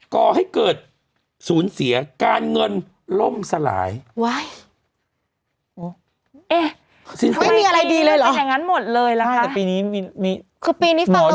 ก่อให้เกิดสูญเสียการเงินล่มสลาย